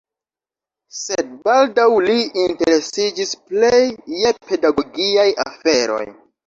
Sed baldaŭ li interesiĝis plej je pedagogiaj aferoj.